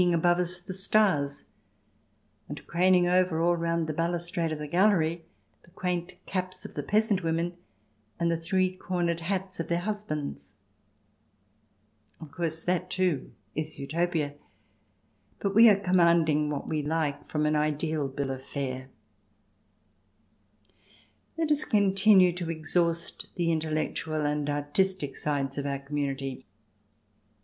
IV] UTOPIA 49 above us the stars and, craning over all round the balustrade of the gallery, the quaint caps of the peasant women and the three cornered hats of their husbands. Of course that, too, is Utopia, but we are commanding what we like from an ideal bill of fare. Let us continue to exhaust the intellectual and artistic sides of our community.